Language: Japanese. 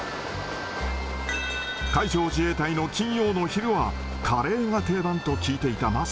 海上自衛隊の金曜の昼は、カレーが定番と聞いていた桝。